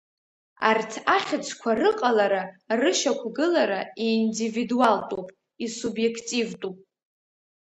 Арҭ ахьӡқәа рыҟалара рышьақәгылара ииндивидуалтәуп, исубиеқтивтәуп.